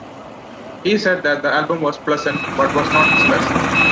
He said that the album was "pleasant" but was not his best.